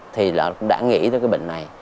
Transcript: thì nó cũng đã nghĩ tới cái bệnh này